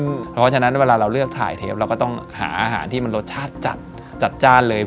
เพราะฉะนั้นเวลาเราเลือกถ่ายเทปเราก็ต้องหาอาหารที่มันรสชาติจัดจัดจ้านเลย